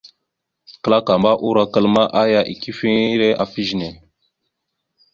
Klakamba urokal ma, aya ikefiŋire afa ezine.